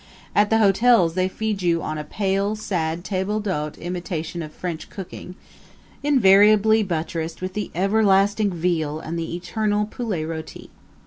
At the hotels they feed you on a pale, sad table d'hote imitation of French cooking, invariably buttressed with the everlasting veal and the eternal poulet roti.